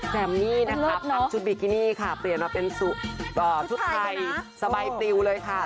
แซมมีนะครับคลับชุดบิคกินี่ค่ะเตรียมมาเป็นชุดไทยสบายปริวเลยค่ะ